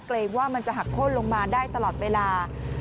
เกรงว่ามันจะหักโค้นลงมาได้ตลอดเวลา